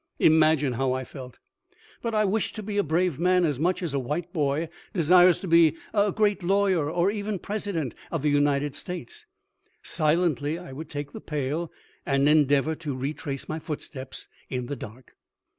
Imagine how I felt! But I wished to be a brave man as much as a white boy desires to be a great lawyer or even President of the United States. Silently I would take the pail and endeavor to retrace my foot steps in the dark.